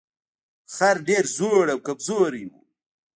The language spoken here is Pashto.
خر ډیر زوړ او کمزوری و.